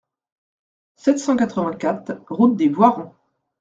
sept cent quatre-vingt-quatre route des Voirons